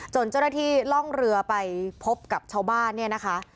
เจ้าหน้าที่ล่องเรือไปพบกับชาวบ้านเนี่ยนะคะ